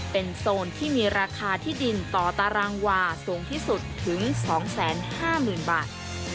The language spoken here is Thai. เป็นโซนที่มีราคาที่ดินต่อตารางวาสูงที่สุดถึง๒๕๐๐๐บาท